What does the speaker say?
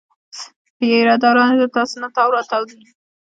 پیره داران یې له تاسونه تاو راتاو دي.